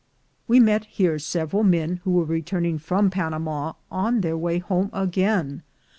We met here several men who were returning from Panama, on their way home again.